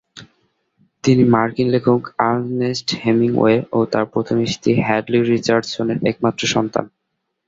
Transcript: তিনি মার্কিন লেখক আর্নেস্ট হেমিংওয়ে ও তার প্রথম স্ত্রী হ্যাডলি রিচার্ডসনের একমাত্র সন্তান।